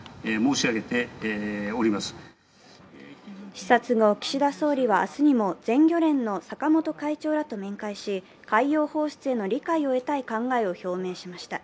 視察後、岸田総理は明日にも全漁連の坂本会長らと面会し海洋放出への理解を得たい考えを表明しました。